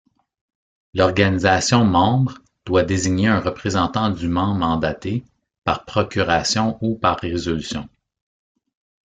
L’organisation membre doit désigner un représentant dûment mandaté, par procuration ou par résolution.